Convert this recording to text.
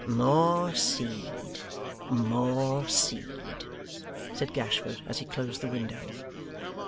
'More seed, more seed,' said Gashford as he closed the window.